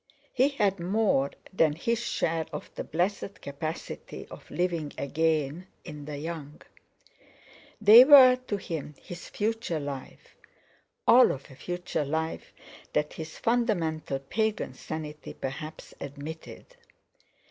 He had more than his share of the blessed capacity of living again in the young. They were to him his future life—all of a future life that his fundamental pagan sanity perhaps admitted.